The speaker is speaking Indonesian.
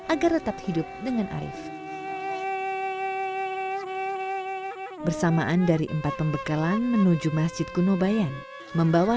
agar tetap hidup dengan arif bersamaan dari empat pembekalan menuju masjid kunobayan membawa